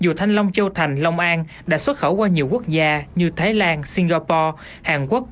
dù thanh long châu thành long an đã xuất khẩu qua nhiều quốc gia như thái lan singapore hàn quốc